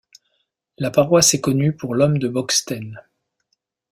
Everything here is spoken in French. La paroisse est connue pour l’Homme de Bocksten.